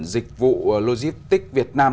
dịch vụ logistics việt nam